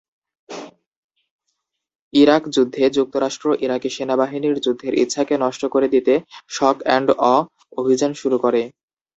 Iraq যুদ্ধে, যুক্তরাষ্ট্র Iraqi সেনাবাহিনীর যুদ্ধের ইচ্ছাকে নষ্ট করে দিতে "শক এন্ড অ" অভিযান শুরু করে।